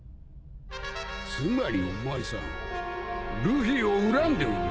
つまりお前さんルフィを恨んでおるのか？